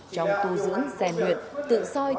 trong tu dưỡng xe nguyện tự soi